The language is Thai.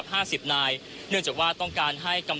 คุณทัศนาควดทองเลยค่ะ